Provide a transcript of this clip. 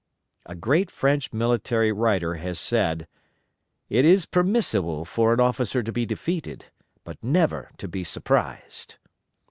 A great French military writer has said, "It is permissible for an officer to be defeated; but never to be surprised."